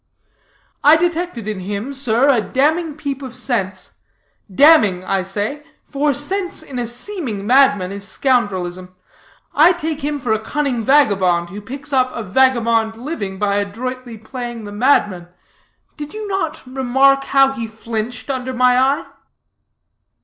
"I detected in him, sir, a damning peep of sense damning, I say; for sense in a seeming madman is scoundrelism. I take him for a cunning vagabond, who picks up a vagabond living by adroitly playing the madman. Did you not remark how he flinched under my eye?'